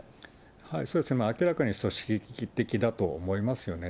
そうですね、明らかに組織的だと思いますよね。